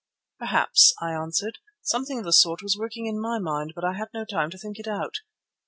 "Perhaps," I answered. "Something of the sort was working in my mind but I had no time to think it out."